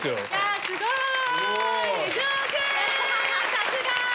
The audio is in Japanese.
さすが！